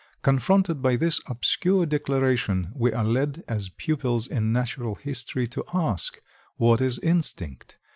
Confronted by this obscure declaration we are led as pupils in natural history to ask, "What is instinct?"